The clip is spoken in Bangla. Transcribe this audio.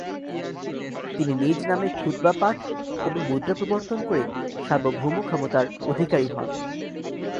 তিনি নিজ নামে খুতবা পাঠ এবং মুদ্রা প্রবর্তন করে সার্বভৌম ক্ষমতার অধিকারী হন।